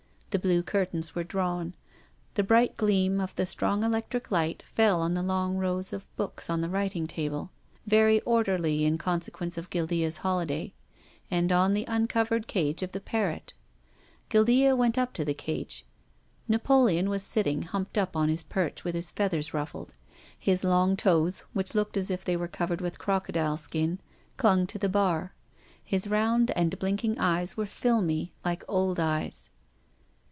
The blue curtains were drawn. The bright gleam of the strong electric light fell on the long rows of books, on the writing table, — very orderly in consequence of Guildea's holiday — and on the uncovered cage of the parrot. Guildea went up to the cage. Napoleon was sit ting humped up on his perch with his feathers ruffled. His long toes, which looked as if they were covered with crocodile skin, clung to the bar. His round and blinking eyes were filmy, like old eyes.